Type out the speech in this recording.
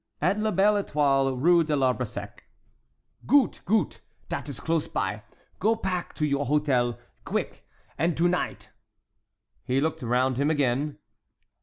"At La Belle Étoile, Rue de l'Arbre Sec." "Goot, goot! dat is glose by. Go pack to your hodel gwick and to nide"— He looked around him again.